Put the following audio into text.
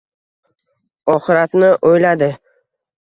Oxiratni o‘yladi.